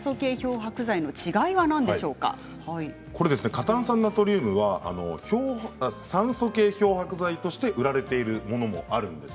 過炭酸ナトリウムは酸素系漂白剤として売られているものもあるんです。